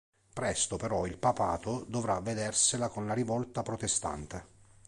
Presto però il papato dovrà vedersela con la rivolta protestante